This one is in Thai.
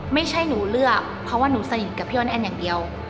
ไม่ใช่หนูเลือกเพราะว่าหนูสนิทกับพี่อ้อนแอนอย่างเดียว